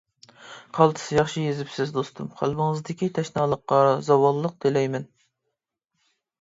قالتىس ياخشى يېزىپسىز دوستۇم قەلبىڭىزدىكى تەشنالىققا زاۋاللىق تىلەيمەن.